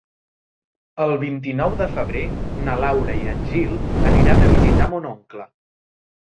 El vint-i-nou de febrer na Laura i en Gil aniran a visitar mon oncle.